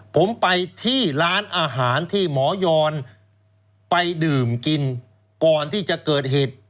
ผมไปที่ร้านอาหารที่หมอยอนไปดื่มกินก่อนที่จะเกิดเหตุ